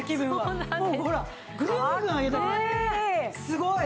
すごい。